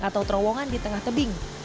atau terowongan di tengah tebing